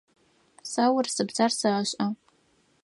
Сэ урысыбзэр сэшӏэ.